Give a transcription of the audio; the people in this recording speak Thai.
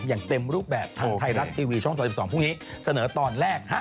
อย่างเต็มรูปแบบทางไทยรัฐทีวีช่อง๓๒พรุ่งนี้เสนอตอนแรก